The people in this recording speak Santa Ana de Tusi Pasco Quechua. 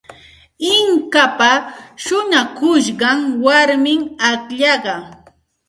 Inkapa shuñakushqan warmim akllaqa.